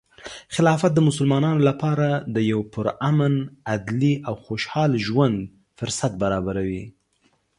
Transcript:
خلافت د مسلمانانو لپاره د یو پرامن، عدلي، او خوشحال ژوند فرصت برابروي.